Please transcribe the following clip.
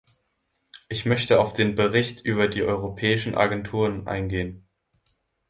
Ich möchte auf den Bericht über die Europäischen Agenturen eingehen.